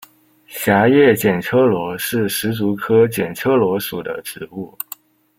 狭叶剪秋罗是石竹科剪秋罗属的植物。